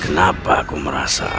kenapa aku merasa aneh